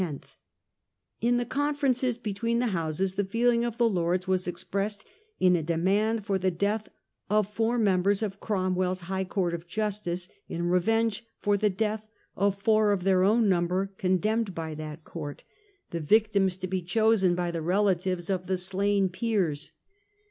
In the Lords, the conferences between the Houses the feel ing of the Lords was expressed in a demand for the death of four members of Cromwell's High Court of Justice in revenge for the death of four of their own number condemned by that court, the victims to be chosen by the relatives of the slain peers.